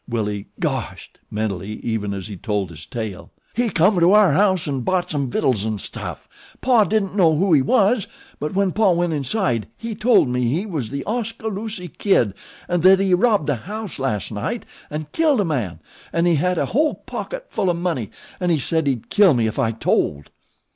Willie "Goshed!" mentally even as he told his tale. "He come to our house an' bought some vittles an' stuff. Paw didn't know who he wuz; but when Paw went inside he told me he was The Oskaloosie Kid 'n' thet he robbed a house last night and killed a man, 'n' he had a whole pocket full o' money, 'n' he said he'd kill me ef I told."